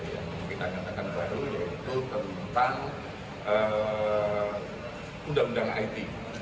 yang kita katakan baru yaitu penyidikan undang undang ite